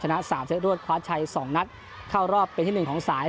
๓เซตรวดคว้าชัย๒นัดเข้ารอบเป็นที่หนึ่งของสาย